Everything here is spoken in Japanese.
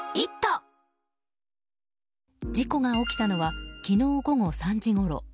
事故が起きたのは昨日午後３時ごろ。